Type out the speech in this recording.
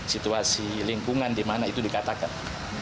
situasi lingkungan di mana itu dikatakan